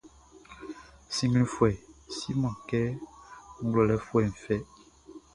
Sinnglinfuɛʼn siman kɛ ngwlɛlɛfuɛʼn fɛ.